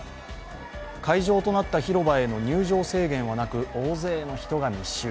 会場となった広場への入場制限はなく大勢の人が密集。